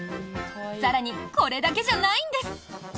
更に、これだけじゃないんです。